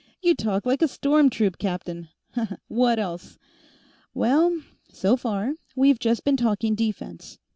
"You talk like a storm troop captain. What else?" "Well, so far, we've just been talking defense.